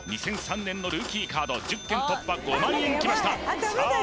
２００３年のルーキーカード１０件突破５万円きましたさあ